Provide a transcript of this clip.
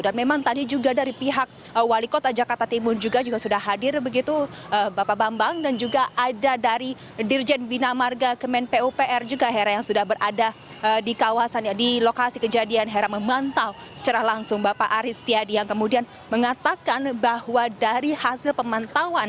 memang tadi juga dari pihak wali kota jakarta timur juga sudah hadir begitu bapak bambang dan juga ada dari dirjen bina marga kemenpopr juga hera yang sudah berada di lokasi kejadian hera memantau secara langsung bapak aris tiadi yang kemudian mengatakan bahwa dari hasil pemantauan